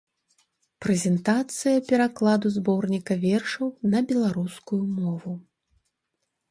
Прэзентацыя перакладу зборніка вершаў на беларускую мову.